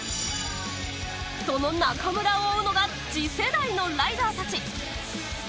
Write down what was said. その中村を追うのが次世代のライダーたち。